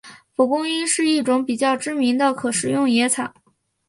蒲公英是一种比较知名的可食用野草。